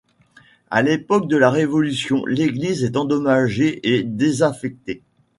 À l'époque de la Révolution, l'église est endommagée et désaffectée.